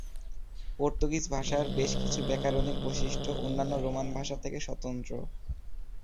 Portuguese ভাষার বেশ কিছু ব্যাকরণিক বৈশিষ্ট্য অন্যান্য রোমান ভাষা থেকে স্বতন্ত্র।